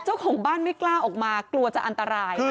เจ้าของบ้านไม่กล้าออกมากลัวจะอันตราย